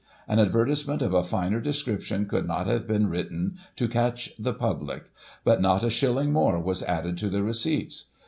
An advertisement of a finer description could not have been written to catch the public; but not a shilling more was added to the receipts.